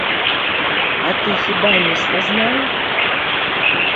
А ты хіба не спазнаў?